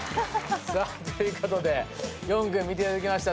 さあということで４組見ていただきました。